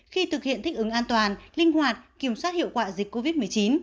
khi thực hiện thích ứng an toàn linh hoạt kiểm soát hiệu quả dịch covid một mươi chín